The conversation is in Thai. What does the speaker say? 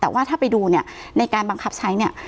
แต่ว่าถ้าไปดูเนี่ยในการบังคับใช้เนี่ย